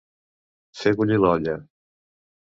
Fer bullir l'olla.